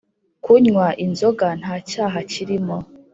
Kunywa inzoga ntacyaha kirimo